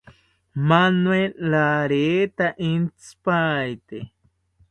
Manuel rareta intzipaete